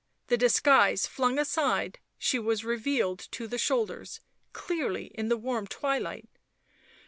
The disguise flung aside, she was revealed to the shoulders, clearly in the warm twilight.